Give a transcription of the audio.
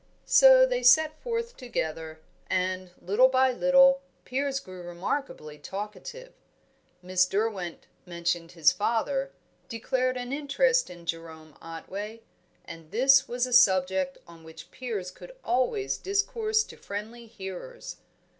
So they set forth together; and, little by little, Piers grew remarkably talkative. Miss Derwent mentioned his father, declared an interest in Jerome Otway, and this was a subject on which Piers could always discourse to friendly hearers.